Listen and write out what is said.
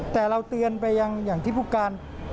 แต่เราเตือนไปอย่างที่ภุการ